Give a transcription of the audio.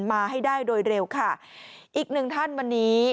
มาให้ได้โดยเร็วค่ะอีกหนึ่งท่านวันนี้